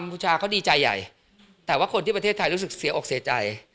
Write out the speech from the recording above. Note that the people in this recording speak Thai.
บูชาเขาดีใจใหญ่แต่ว่าคนที่ประเทศไทยรู้สึกเสียอกเสียใจ